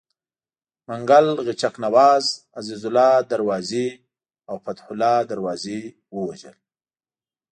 منګل غچک نواز، عزیزالله دروازي او فتح الله دروازي ووژل.